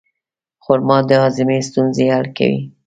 خرما د هاضمې ستونزې حل کوي.